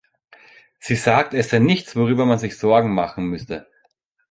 Sie sagt, es sei nichts, worüber man sich Sorgen machen müsse.